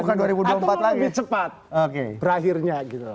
atau mau lebih cepat berakhirnya